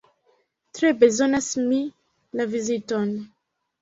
Tre bezonas mi la viziton!